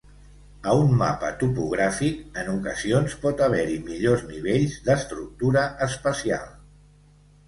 A un mapa topogràfic, en ocasions pot haver-hi millors nivells d"estructura espacial.